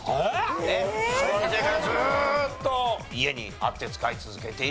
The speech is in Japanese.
昭和の時代からずーっと家にあって使い続けているもの。